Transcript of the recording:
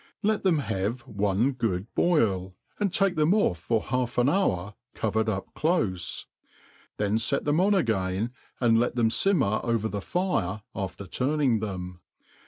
Let them have one goofl boil, and take them off for halian hour, covered up clofe'j then fet them on asain, and let them fioimfJf pypr the fire after turning them ;^^ then